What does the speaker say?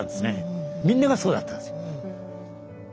みんながそうだったんです。